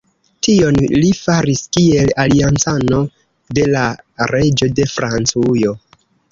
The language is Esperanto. Tion li faris kiel aliancano de la reĝo de Francujo.